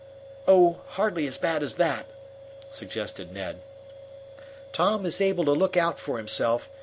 "Oh, hardly as bad as that," suggested Ned. "Tom is able to look out for himself.